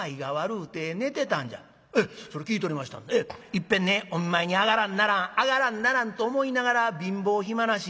いっぺんねお見舞いに上がらんならん上がらんならんと思いながら貧乏暇なし。